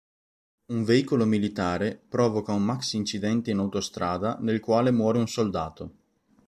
Un veicolo militare provoca un maxi incidente in autostrada, nel quale muore un soldato.